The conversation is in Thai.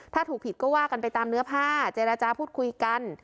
ถ้าถูกผิดก็ว่ากันไปตามเนื้อผ้าเจรจาพูดคุยกัน